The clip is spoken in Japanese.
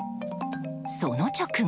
その直後。